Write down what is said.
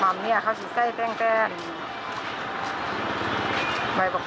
มัมเนี่ยกระแทรกไปช่วงนึง